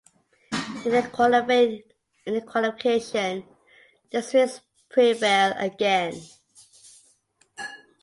In the Qualification the Swedes prevail again.